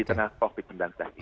di tengah covid sembilan belas ini